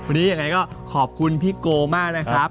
วันนี้ยังไงก็ขอบคุณพี่โกมากนะครับ